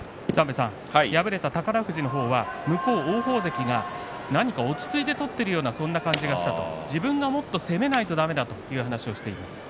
敗れた宝富士は王鵬関は何か落ち着いて取っているような感じがした自分がもっと攻めないとだめだという話をしています。